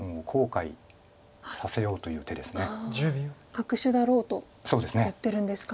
悪手だろうと言ってるんですか。